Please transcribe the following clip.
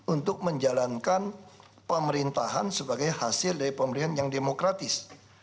untuk menjalankan pemerintahan sebagai hasil dari pemerintahan yang demokratis